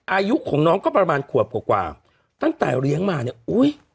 อายุของน้องก็ประมาณขวบกว่ากว่าตั้งแต่เลี้ยงมาเนี่ยอุ้ย